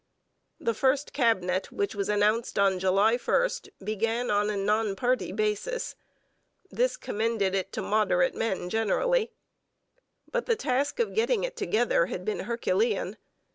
The first Cabinet, which was announced on July 1, began on a non party basis. This commended it to moderate men generally. But the task of getting it together had been herculean.